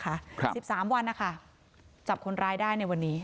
สิบสามวันนะคะจับคนร้ายได้ในวันนี้